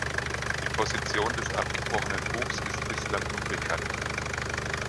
Die Position des abgebrochenen Bugs ist bislang unbekannt.